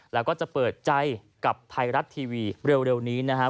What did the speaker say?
แล้วก็จะเปิดใจกับไทยรัฐทีวีเร็วนี้นะครับ